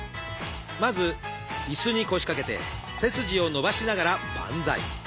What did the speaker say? まず椅子に腰掛けて背筋を伸ばしながらバンザイ。